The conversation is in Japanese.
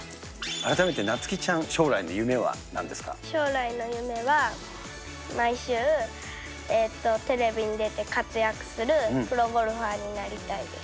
改めてなつ希ちゃん、将来の将来の夢は、毎週テレビに出て活躍するプロゴルファーになりたいです。